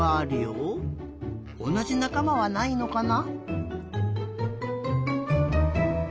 おなじなかまはないのかな？